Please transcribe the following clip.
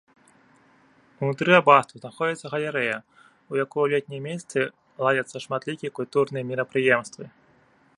Унутры абацтва знаходзіцца галерэя, у якой у летнія месяцы ладзяцца шматлікія культурныя мерапрыемствы.